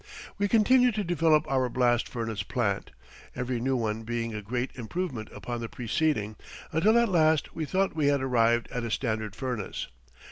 We continued to develop our blast furnace plant, every new one being a great improvement upon the preceding, until at last we thought we had arrived at a standard furnace.